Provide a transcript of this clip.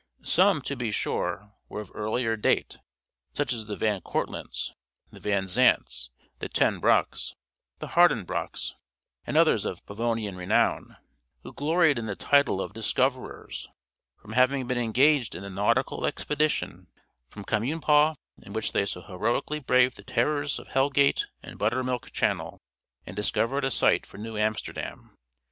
Some, to be sure, were of earlier date, such as the Van Kortlandts, the Van Zandts, the Ten Broecks, the Harden Broecks, and others of Pavonian renown, who gloried in the title of "Discoverers," from having been engaged in the nautical expedition from Communipaw, in which they so heroically braved the terrors of Hell gate and Buttermilk channel, and discovered a site for New Amsterdam.